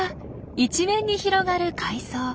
一面に広がる海藻。